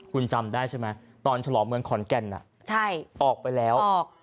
คุณจำได้ใช่ไหมตอนฉลองเมืองขอนแก่นออกไปแล้ว